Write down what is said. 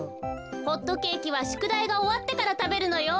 ホットケーキはしゅくだいがおわってからたべるのよ。